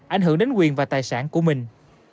ảnh hưởng đến quyền và tài sản của mình